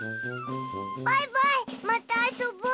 バイバイまたあそぼう。